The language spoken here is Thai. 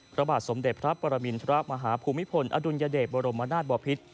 พระบาทสมเด็จพระปรมินทรมาฮภูมิพลอดุลยเดชบรมนาศบอพิษ